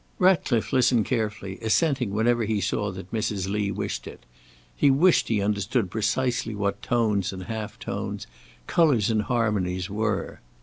Ratcliffe listened carefully, assenting whenever he saw that Mrs. Lee wished it. He wished he understood precisely what tones and half tones, colours and harmonies, were.